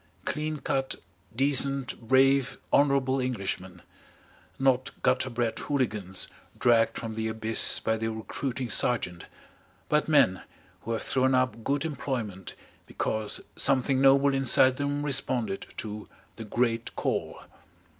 Clean cut, decent, brave, honourable Englishmen not gutter bred Hooligans dragged from the abyss by the recruiting sergeant, but men who have thrown up good employment because something noble inside them responded to the Great Call.